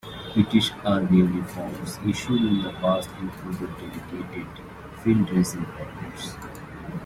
British Army uniforms issued in the past included dedicated field dressing pockets.